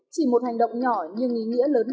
chỉ một hành động nhỏ nhưng ý nghĩa lớn là một sự hiến máu